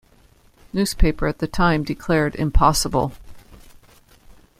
Newspaper at the time declared Impossible!